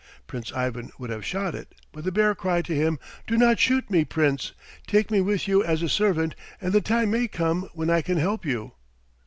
Prince Ivan would have shot it, but the bear cried to him, "Do not shoot me, Prince. Take me with you as a servant, and the time may come when I can help you."